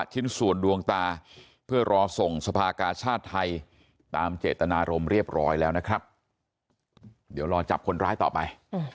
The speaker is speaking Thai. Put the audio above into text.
คุณพ่อต้องจากไปทั้งที่ไม่ได้รู้เรื่องอะไรอื่น